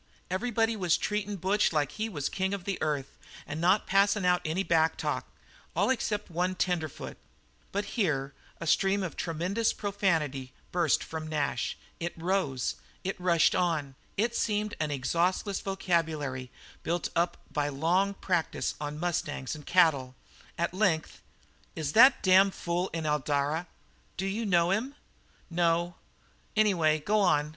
"Everybody was treatin' Butch like he was the king of the earth and not passin' out any backtalk, all except one tenderfoot " But here a stream of tremendous profanity burst from Nash. It rose, it rushed on, it seemed an exhaustless vocabulary built up by long practice on mustangs and cattle. At length: "Is that damned fool in Eldara?" "D'you know him?" "No. Anyway, go on.